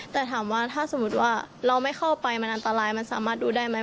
แต่ถามว่าถ้าสมมุติว่าเราไม่เข้าไปมันอันตรายมันสามารถดูได้ไหม